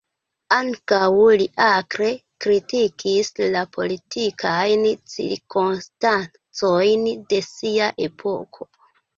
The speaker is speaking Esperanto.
Ankaŭ li akre kritikis la politikajn cirkonstancojn de sia epoko.